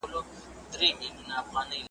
په هغه شپه یې د مرګ پر لور روان کړل .